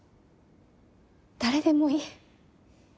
誰でもいい。